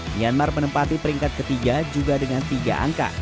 myanmar menempati peringkat ketiga juga dengan tiga angka